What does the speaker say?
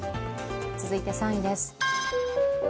続いて３位です。